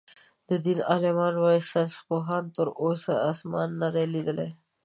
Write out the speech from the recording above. د دين عالمان وايي ساينسپوهانو تر اوسه آسمان نۀ دئ ليدلی.